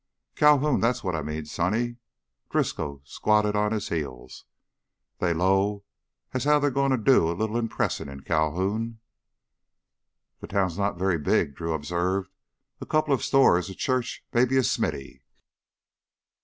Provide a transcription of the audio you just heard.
"Calhoun that's what I mean, sonny." Driscoll squatted on his heels. "They 'low as how they're gonna do a little impressin' in Calhoun." "The town's not very big," Drew observed. "A couple of stores, a church, maybe a smithy...."